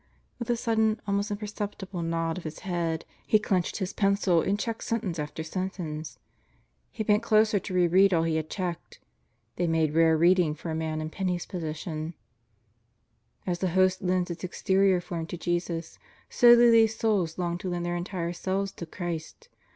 With a sudden, almost imperceptible nod of his head, he clenched his pencil and checked sentence after sen tence. He bent closer to re read all he had checked. They made rare reading for a man in Penney's position: "As the host lends its exterior form to Jesus, so do these souls long to lend their entire selves to Christ.